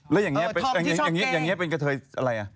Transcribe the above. แล้วอย่างนี้เป็นกระเทยอะไรอ่ะ